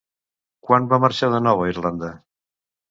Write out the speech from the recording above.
Quan va marxar de nou a Irlanda?